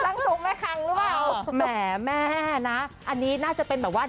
ทรงแม่คังหรือเปล่าแหมแม่นะอันนี้น่าจะเป็นแบบว่า